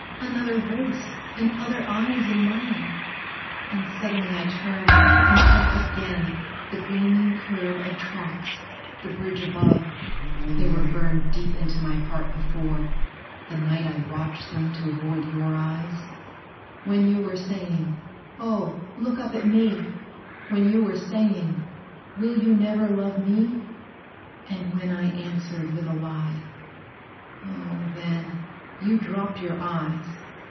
Another voice and other eyes in mine! And suddenly I turned and saw again The gleaming curve of tracks, the bridge above They were burned deep into my heart before, The night I watched them to avoid your eyes, When you were saying, "Oh, look up at me!" When you were saying, "Will you never love me?" And when I answered with a lie. Oh then You dropped your eyes.